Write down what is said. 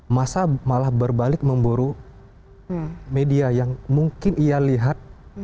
masa malah berbalik memburu media yang mungkin ia lihat